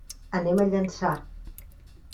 Anem a Llançà.